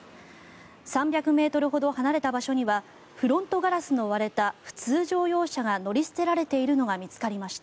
３００ｍほど離れた場所にはフロントガラスの割れた普通乗用車が乗り捨てられているのが見つかりました。